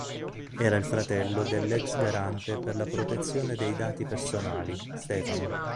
Era il fratello dell'ex garante per la protezione dei dati personali, Stefano.